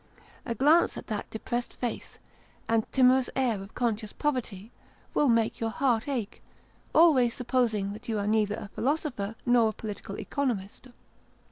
A glance at that depressed face, and timorous air of 196 Sketches by Boz. conscious poverty, will make your heart ache always supposing that you are neither a philosopher nor a political economist.